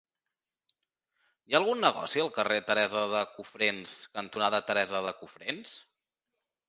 Hi ha algun negoci al carrer Teresa de Cofrents cantonada Teresa de Cofrents?